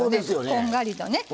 こんがりとね。